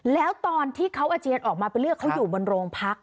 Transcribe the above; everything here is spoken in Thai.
แล้วตอนที่เขาอาเจียนออกมาไปเลือกเขาอยู่บนโรงพัก